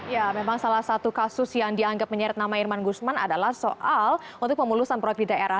ya memang salah satu kasus yang dianggap menyeret nama irman gusman adalah soal untuk pemulusan proyek di daerah